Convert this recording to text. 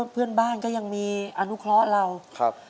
เพื่อนบ้านก็ยังมีอนุเคราะห์เราครับ